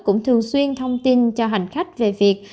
cũng thường xuyên thông tin cho hành khách về việc